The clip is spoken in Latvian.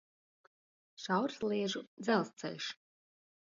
Šaursliežu dzelzceļš